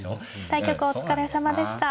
対局お疲れさまでした。